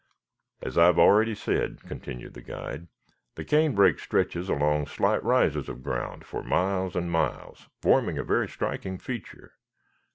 "As I have already said," continued the guide, "the canebrake stretches along slight rises of ground for miles and miles, forming a very striking feature.